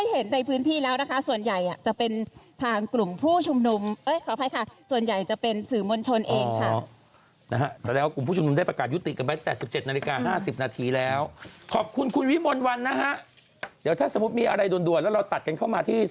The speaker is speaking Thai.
ตอนนี้ต้องบอกว่ากลุ่มผู้ชมนุมไม่ค่อยเห็นในพื้นทีแล้วนะคะ